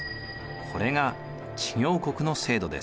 これが知行国の制度です。